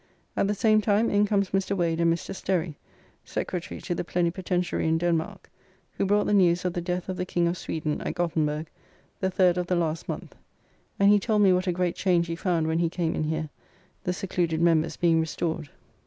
At the same time in comes Mr. Wade and Mr. Sterry, secretary to the plenipotentiary in Denmark, who brought the news of the death of the King of Sweden at Gottenburgh the 3rd of the last month, and he told me what a great change he found when he came here, the secluded members being restored.